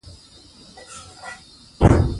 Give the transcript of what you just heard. هلته هره ورځ یوه کارخونه بندیږي